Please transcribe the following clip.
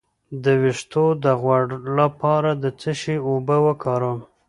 د ویښتو د غوړ لپاره د څه شي اوبه وکاروم؟